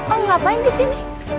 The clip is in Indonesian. oh ngapain di sini